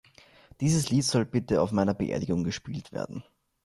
Dieses Lied soll bitte auf meiner Beerdigung gespielt werden.